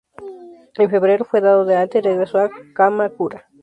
En febrero, fue dado de alta y regresó a Kamakura.